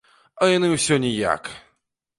А яны ўсё ніяк.